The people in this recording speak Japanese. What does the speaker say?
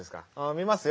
みますよ。